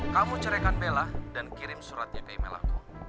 kamu ceraikan bella dan kirim surat jv email aku